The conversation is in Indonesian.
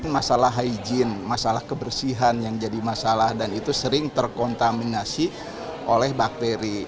masalah hygiene masalah kebersihan yang jadi masalah dan itu sering terkontaminasi oleh bakteri